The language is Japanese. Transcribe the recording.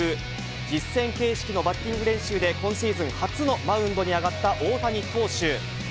実戦形式のバッティング練習で、今シーズン初のマウンドに上がった大谷投手。